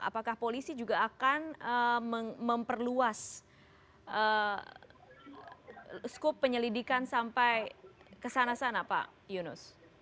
apakah polisi juga akan memperluas skup penyelidikan sampai ke sana sana pak yunus